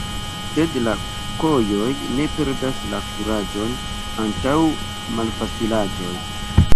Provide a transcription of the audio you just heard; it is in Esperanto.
Sed la khojoj ne perdas la kuraĝon antaŭ malfacilaĵoj.